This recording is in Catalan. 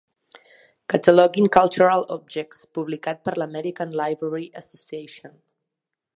"Cataloging Cultural Objects" publicat per l'American Library Association.